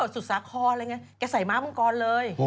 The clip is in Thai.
สุสาขออะไรไงแกใส่ม้ากมันก่อนเลย